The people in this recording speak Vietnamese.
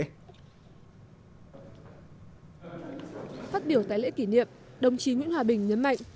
phát biểu tại lễ kỷ niệm đồng chí nguyễn hòa bình nhấn mạnh